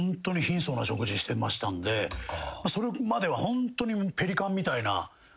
それまではホントに。